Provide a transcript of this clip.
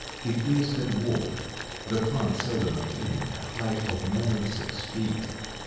It is a dwarf, the plant seldom attaining a height of more than six feet.